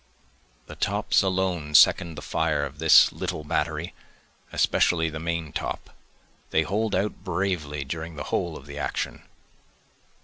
The tops alone second the fire of this little battery, especially the main top, They hold out bravely during the whole of the action.